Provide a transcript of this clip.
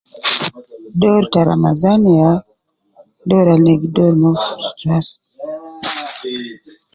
Dor ta ramadhan ya dor al ina gi dor mo fi ustu anas